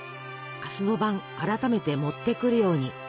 明日の晩改めて持ってくるように」。